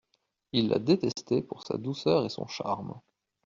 Il la détestait pour sa douceur et son charme.